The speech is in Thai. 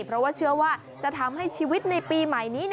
เพราะว่าเชื่อว่าจะทำให้ชีวิตในปีใหม่นี้